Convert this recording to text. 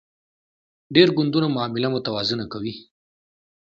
ډیر ګوندونه معامله متوازنه کوي